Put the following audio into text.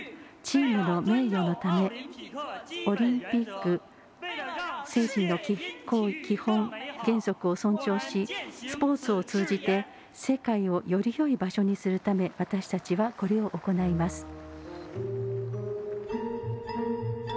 チームの名誉のためオリンピック精神の基本原則を尊重し、スポーツを通じて世界をよりよい場所にするため私たちは、これを行います。